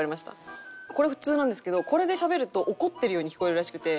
これ普通なんですけどこれでしゃべると怒ってるように聞こえるらしくて。